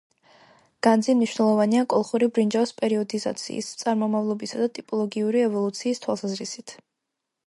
განძი მნიშვნელოვანია კოლხური ბრინჯაოს პერიოდიზაციის, წარმომავლობისა და ტიპოლოგიური ევოლუციის თვალსაზრისით.